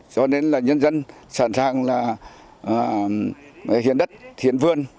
cho nên là nhân dân sẵn sàng là hiến đất hiến vườn